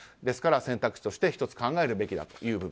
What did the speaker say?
ですから選択肢として考えるべきだと。